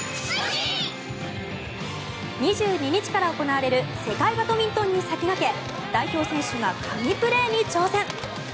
２２日から行われる世界バドミントンに先駆け代表選手が神プレーに挑戦。